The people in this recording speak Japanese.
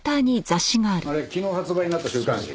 あれ昨日発売になった週刊誌。